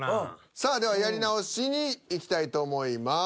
さあではやり直しにいきたいと思います。